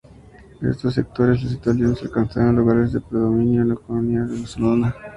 En estos sectores los italianos alcanzaron lugares de predominio en la economía venezolana.